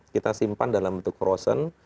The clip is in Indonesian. kita simpan dalam bentuk frozen